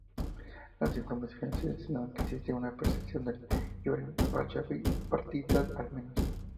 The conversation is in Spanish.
Las informaciones insinúan que existió una percepción del "hurin pacha" bipartita, al menos.